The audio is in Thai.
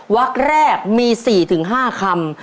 วักแรกมี๔๕คำ